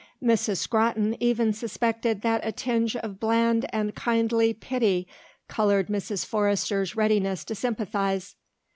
Miss Scrotton even suspected that a tinge of bland and kindly pity coloured Mrs. Forrester's readiness to sympathize.